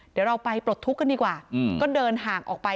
เดี๋ยวเราไปปลดทุกข์กันดีกว่าก็เดินห่างออกไป